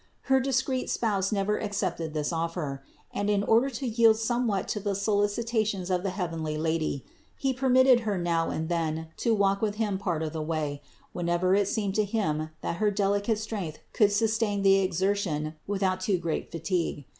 Her discreet spouse never accepted this offer ; and in order to yield somewhat to the solicitations of the heavenly Lady, he permitted her now and then to walk with him part of the way, whenever it seemed to him that her delicate strength could sustain the exertion without too great fatigue.